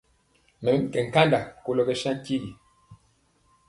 Mɛ mi nkanda kolɔ kɛ saŋ tigi.